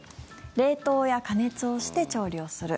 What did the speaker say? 冷凍や加熱をして調理をする。